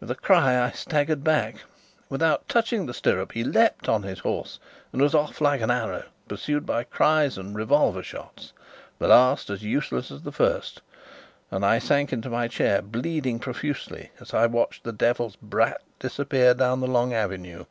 With a cry, I staggered back. Without touching the stirrup, he leapt upon his horse and was off like an arrow, pursued by cries and revolver shots the last as useless as the first and I sank into my chair, bleeding profusely, as I watched the devil's brat disappear down the long avenue.